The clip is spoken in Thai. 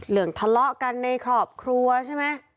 ทะเลาะกันในครอบครัวใช่ไหม